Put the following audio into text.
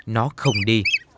nó không đi